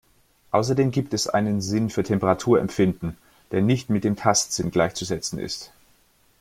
Außerdem gibt es einen Sinn für Temperaturempfinden, der nicht mit dem Tastsinn gleichzusetzen ist.